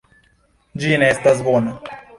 Ĝi ne estas bona.